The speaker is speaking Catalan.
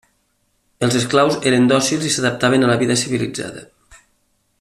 Els esclaus eren dòcils i s'adaptaven a la vida civilitzada.